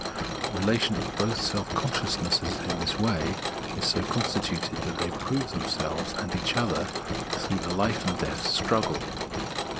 The relation of both self conscious nesses is in this way so constituted that they prove themselves and each other through a hfe and death struggle.